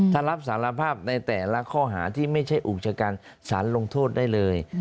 ถ้ารับสารภาพในแต่ละข้อหาที่ไม่ใช่อุกชกันสารลงโทษได้เลย